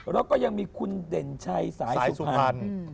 แล้วก็ยังมีคุณเด่นชัยสายสุพรรณ